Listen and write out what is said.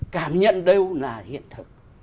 cảm nhận đâu là hiện thực